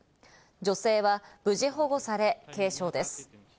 女性は無事保護され、軽傷です。